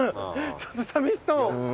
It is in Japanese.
ちょっとさみしそう。